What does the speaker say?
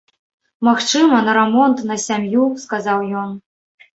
Магчыма, на рамонт, на сям'ю, сказаў ён.